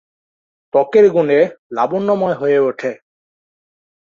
ত্বক এর গুণে লাবণ্যময় হয়ে ওঠে।